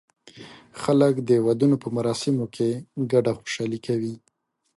خلک د ودونو په مراسمو کې ګډه خوشالي کوي.